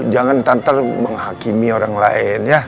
jangan tantal menghakimi orang lain ya